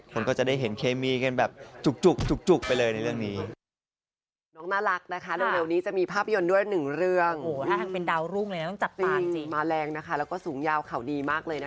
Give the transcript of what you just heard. คนก็จะได้เห็นเคมีกันแบบจุกไปเลยในเรื่องนี้